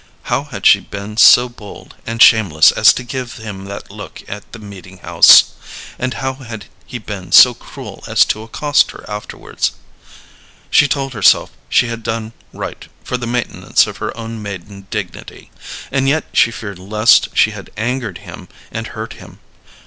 How had she been so bold and shameless as to give him that look at the meeting house? and how had he been so cruel as to accost her afterwards? She told herself she had done right for the maintenance of her own maiden dignity, and yet she feared lest she had angered him and hurt him.